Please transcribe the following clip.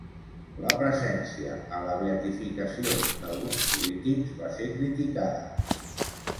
La presència a la beatificació d'alguns polítics va ser criticada.